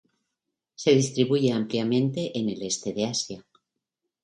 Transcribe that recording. Se distribuye ampliamente en el este de Asia.